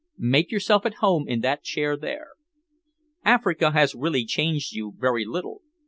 Make yourself at home in that chair there. Africa has really changed you very little.